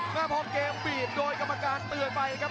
แม่พอเกมบีบโดยกรรมการเตือนไปครับ